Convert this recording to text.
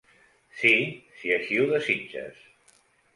Sí, si així ho desitges.